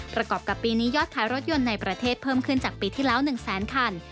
ประกอบกับปีนี้ยอดขายรถยนต์ในประเทศเพิ่มขึ้นจากปีที่แล้ว๑แสนคัน